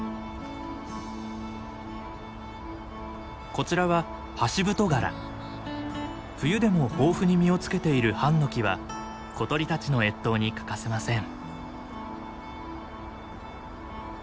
こちらは冬でも豊富に実をつけているハンノキは小鳥たちの越冬に欠かせません。